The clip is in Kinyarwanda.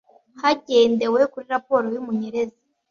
Hagendewe kuri raporo y umenyereza